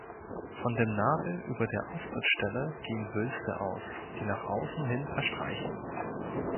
Von dem Nabel über der Austrittsstelle gehen Wülste aus, die nach außen hin verstreichen.